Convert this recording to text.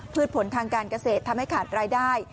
ผลทางการเกษตรทำให้ขาดรายได้